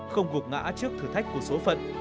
không gục ngã trước thử thách của số phận